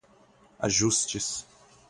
ajustes